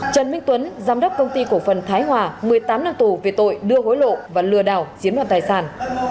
trần minh tuấn giám đốc công ty cổ phần thái hòa một mươi tám năm tù về tội đưa hối lộ và lừa đảo chiếm đoạt tài sản